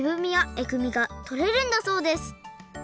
えぐみがとれるんだそうです